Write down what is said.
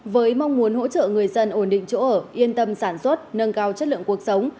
với mong muốn hỗ trợ người dân ổn định chỗ ở yên tâm sản xuất nâng cao chất lượng cuộc sống